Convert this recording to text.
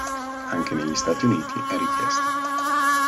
Anche negli Stati Uniti è richiesta.